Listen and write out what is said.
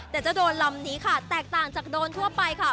แต่เจ้าโดรนลำนี้ค่ะแตกต่างจากโดรนทั่วไปค่ะ